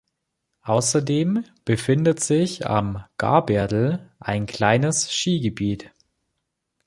Außerdem befindet sich am Gaberl ein kleines Schigebiet.